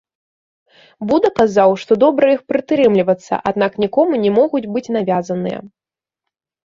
Буда казаў, што добра іх прытрымлівацца, аднак нікому не могуць быць навязаныя.